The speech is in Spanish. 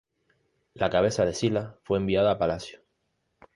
La cabeza de Sila fue enviada a palacio.